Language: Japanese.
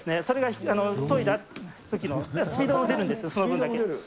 それが研いだときの、スピードも出るんですよ、その分だけ。